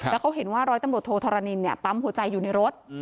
แล้วเขาเห็นว่าร้อยตำรวจโทธรณินปั๊มหัวใจอยู่ในรถ